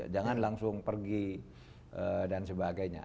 jangan langsung pergi dan sebagainya